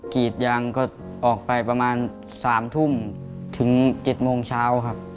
กรีดยางก็ออกไปประมาณ๓ทุ่มถึง๗โมงเช้าครับ